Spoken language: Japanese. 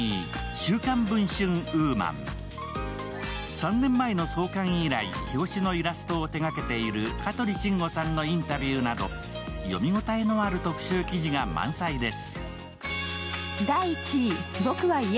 ３年前の創刊以来、表紙のイラストを手がけている香取慎吾さんのインタビューなど読みごたえのある特集記事が満載です。